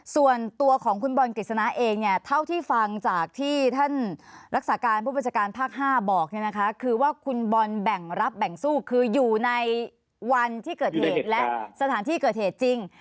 ส่วนตัวของคุณบอลกฤษณะเองเนี่ยเท่าที่ฟังจากที่ท่านรักษาการผู้บัญชาการภาค๕บอกเนี่ยนะคะคือว่าคุณบอลแบ่งรับแบ่งสู้คืออยู่ในวันที่เกิดเหตุและสถานที่เกิดเหตุจริง